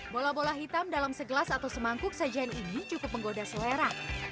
bola bola hitam dalam segelas atau semangkuk sajian ini cukup menggoda selera